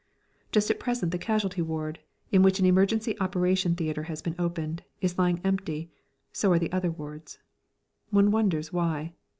Just at present the casualty ward, in which an emergency operation theatre has been opened, is lying empty, so are the other wards. One wonders why?